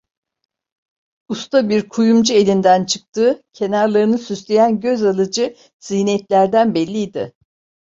Usta bir kuyumcu elinden çıktığı, kenarlarını süsleyen göz alıcı ziynetlerden belliydi.